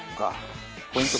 ポイント。